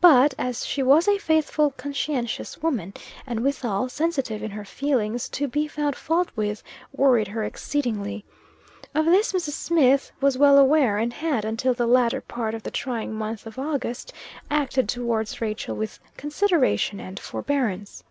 But, as she was a faithful, conscientious woman, and, withal, sensitive in her feelings, to be found fault with, worried her exceedingly. Of this Mrs. Smith was well aware, and had, until the latter part of the trying month of August, acted towards Rachel with consideration and forbearance.